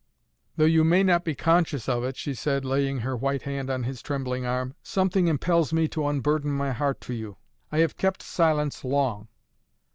"Though you may not be conscious of it," she said, laying her white hand on his trembling arm, "something impels me to unburden my heart to you. I have kept silence long."